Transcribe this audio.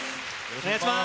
お願いします。